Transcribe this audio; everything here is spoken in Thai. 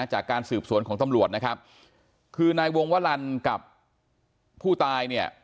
จากการสืบสวนของตำรวจนะครับคือนายวงวลันกับผู้ตายเนี่ย